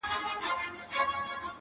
خر که هر څه په ځان غټ وو په نس موړ وو-